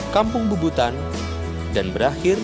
kampung bubutan dan berakhir